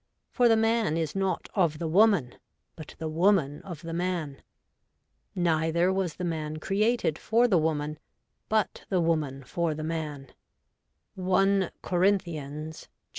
For the man is not of the woman ; but the woman of the man. Neither was the man created for the woman ; but the woman for the man ' (i Cor.